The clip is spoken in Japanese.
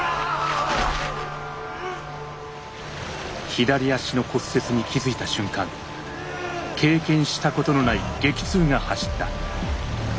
左足の骨折に気づいた瞬間経験したことのない激痛が走った。